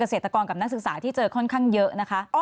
เศรษฐกรกับนักศึกษาที่เจอค่อนข้างเยอะนะคะ